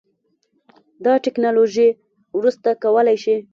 دا ټیکنالوژي وروسته کولی شي